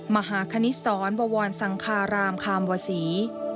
มหาคณิตศรบวรสังคารามคามวศรี